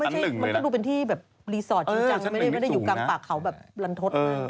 มันก็ดูเป็นที่แบบรีสอร์ทจริงจังไม่ได้อยู่กลางป่าเขาแบบลันทศมาก